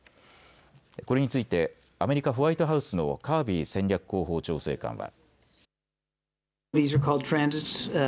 これについてアメリカ・ホワイトハウスのカービー戦略広報調整官は。